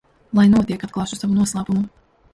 Lai notiek, atklāšu savu noslēpumu.